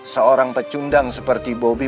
seorang pecundang seperti bobby